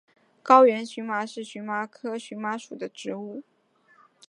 高原荨麻是荨麻科荨麻属的植物。